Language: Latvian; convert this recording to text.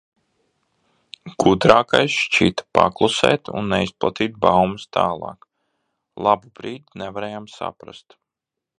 Gudrākais šķita paklusēt un neizplatīt baumas tālāk. Labu brīdi nevarējām saprast.